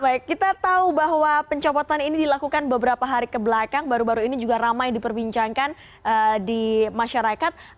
baik kita tahu bahwa pencopotan ini dilakukan beberapa hari kebelakang baru baru ini juga ramai diperbincangkan di masyarakat